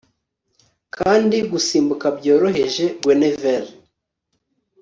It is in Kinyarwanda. Kandi gusimbuka byoroheje Guenevere